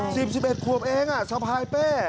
สิบสิบเอ็ดควบเองชาวพายแป้